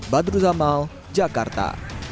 badru zamal jakarta